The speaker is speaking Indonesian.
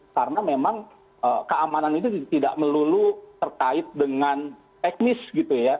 karena memang keamanan itu tidak melulu terkait dengan teknis gitu ya